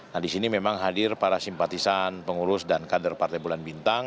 nah di sini memang hadir para simpatisan pengurus dan kader partai bulan bintang